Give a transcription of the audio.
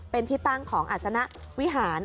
เป็นที่ตั้งของอัศนวิหาร